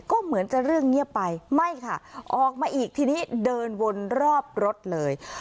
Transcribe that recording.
ก็เหมือนจะเรื่องเงียบไปไม่ค่ะออกมาอีกทีนี้เดินวนรอบรถเลย